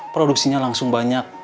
produksinya langsung banyak